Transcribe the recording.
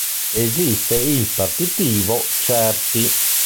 Esiste il partitivo "certi".